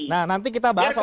nah nanti kita bahas soal